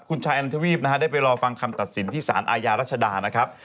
คุณชายอันนันทวีปได้ไปรอฟังคำตัดสินที่สารอายรสชดา